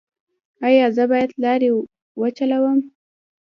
ایا زه باید لارۍ وچلوم؟